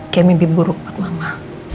kayak mimpi buruk buat mama